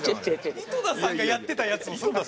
井戸田さんがやってたやつをそのまま。